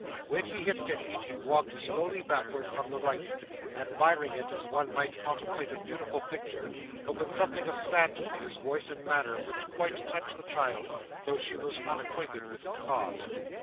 When he had finished, he walked slowly backward from the writing, admiring it as one might contemplate a beautiful picture, but with something of sadness in his voice and manner which quite touched the child, though she was unacquainted with its cause.